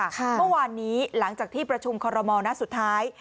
เมื่อวานนี้หลังจากที่ประชุมคอรมอลนัดสุดท้าย